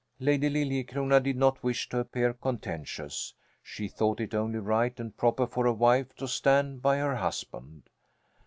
Lady Liljecrona did not wish to appear contentious. She thought it only right and proper for a wife to stand by her husband.